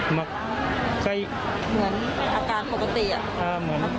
เหมือนอาการปกติ